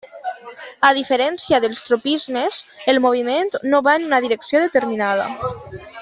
A diferència dels tropismes, el moviment no va en una direcció determinada.